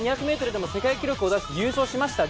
２００ｍでも世界記録を出して優勝しました。